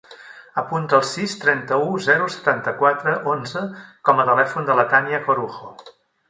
Apunta el sis, trenta-u, zero, setanta-quatre, onze com a telèfon de la Tània Corujo.